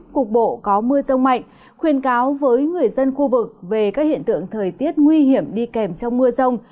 cục bộ có mưa rông mạnh khuyên cáo với người dân khu vực về các hiện tượng thời tiết nguy hiểm đi kèm trong mưa rông